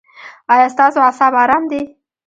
ایا ستاسو اعصاب ارام دي؟